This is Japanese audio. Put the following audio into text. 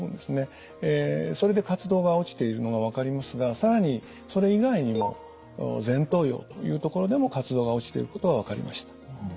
それで活動が落ちているのが分かりますが更にそれ以外にも前頭葉というところでも活動が落ちていることが分かりました。